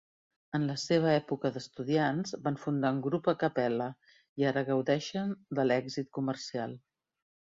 En la seva època d'estudiants, van fundar un grup a capella i ara gaudeixen de l'èxit comercial.